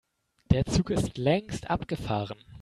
Der Zug ist längst abgefahren.